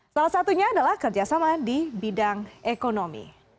salah satunya adalah kerjasama di bidang ekonomi